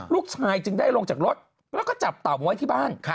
จึงได้ลงจากรถแล้วก็จับเต่ามาไว้ที่บ้าน